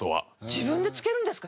自分で漬けるんですか？